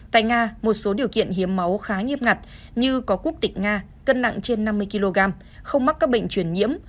tại nga một số điều kiện hiến máu khá nghiêm ngặt như có quốc tịch nga cân nặng trên năm mươi kg không mắc các bệnh truyền nhiễm